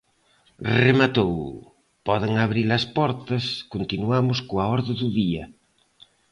Rematou, poden abrir as portas, continuamos coa orde do día.